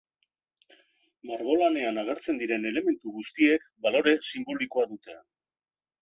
Margolanean agertzen diren elementu guztiek balore sinbolikoa dute.